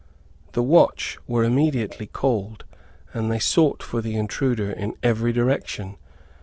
The watch were immediately called, and they sought for the intruder in every direction.